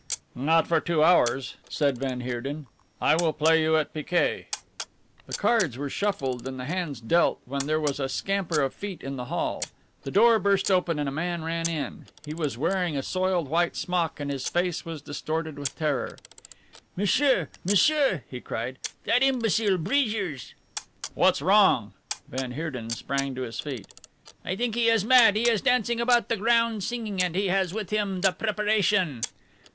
"Not for two hours," said van Heerden. "I will play you at piquet." The cards were shuffled and the hands dealt when there was a scamper of feet in the hall, the door burst open and a man ran in. He was wearing a soiled white smock and his face was distorted with terror. "M'sieur, m'sieur," he cried, "that imbecile Bridgers!" "What's wrong?" Van Heerden sprang to his feet. "I think he is mad. He is dancing about the grounds, singing, and he has with him the preparation!"